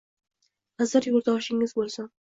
Xizr yoʻldoshingiz boʻlsin